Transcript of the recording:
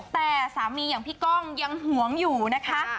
แต่สามีอย่างพี่ก้องยังหวงอยู่นะคะ